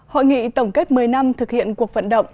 hội nghị tổng kết một mươi năm thực hiện cuộc vận động